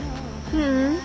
ううん。